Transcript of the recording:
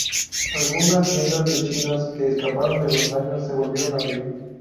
Algunas tiendas de chinos que escaparon de los daños se volvieron abrir.